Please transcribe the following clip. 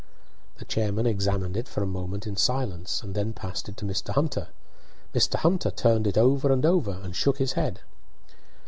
The chairman examined it for a moment in silence, and then passed it to Mr. Hunter. Mr. Hunter turned it over and over, and shook his head.